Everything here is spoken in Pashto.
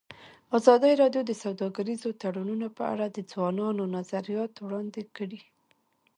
ازادي راډیو د سوداګریز تړونونه په اړه د ځوانانو نظریات وړاندې کړي.